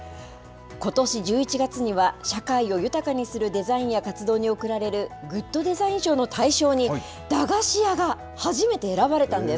ことし１１月には、社会を豊かにするデザインや活動に贈られるグッドデザイン賞の大賞に、駄菓子屋が初めて選ばれたんです。